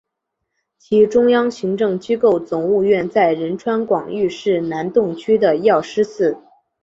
其中央行政机构总务院在仁川广域市南洞区的药师寺。